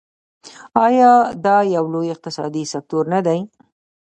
آیا دا یو لوی اقتصادي سکتور نه دی؟